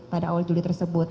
pada awal juli tersebut